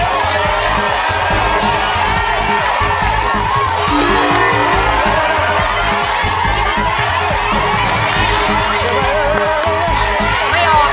เร็วเร็วเร็ว